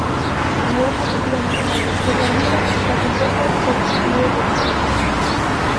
A nova executiva nacional de Esquerda Unida está composta por nove persoas.